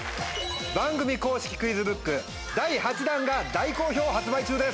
番組公式クイズブック第８弾が大好評発売中です。